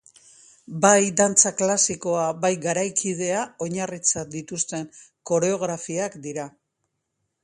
Bai dantza klasikoa bai garaikidea oinarritzat dituzten koreografiak dira.